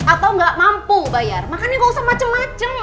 atau gak mampu bayar makanya gak usah macem macem